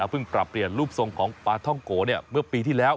เพิ่งปรับเปลี่ยนรูปทรงของปลาท่องโกเมื่อปีที่แล้ว